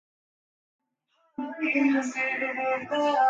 The village is named after Sen Brahmin Clan.